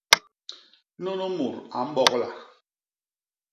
Nunu mut a mbogla.